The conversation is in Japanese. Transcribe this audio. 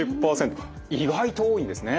意外と多いんですね。